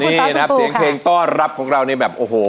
นี่นะครับเสียงเพลงต้อนรับของเราเนี่ยแบบโอ้โห